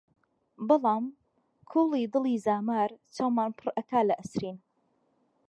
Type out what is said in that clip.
بەڵام کوڵی دڵی زامار، چاومان پڕ ئەکا لە ئەسرین!